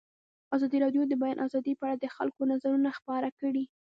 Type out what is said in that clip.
ازادي راډیو د د بیان آزادي په اړه د خلکو نظرونه خپاره کړي.